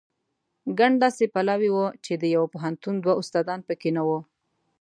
ګڼ داسې پلاوي وو چې د یوه پوهنتون دوه استادان په کې نه وو.